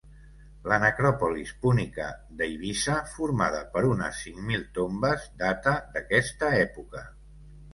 La necròpolis púnica d'Eivissa, formada per unes cinc mil tombes, data d'aquesta època.